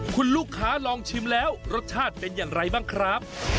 คุณลูกค้าลองชิมแล้วรสชาติเป็นอย่างไรบ้างครับ